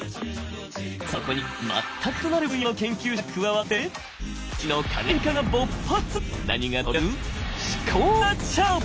そこに全く異なる分野の研究者が加わって知の化学変化が勃発！